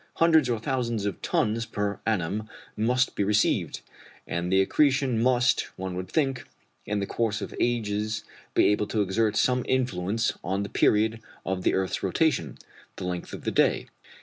Hundreds or thousands of tons per annum must be received; and the accretion must, one would think, in the course of ages be able to exert some influence on the period of the earth's rotation the length of the day.